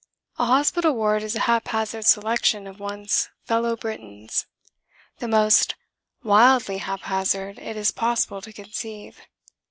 A hospital ward is a haphazard selection of one's fellow Britons: the most wildly haphazard it is possible to conceive.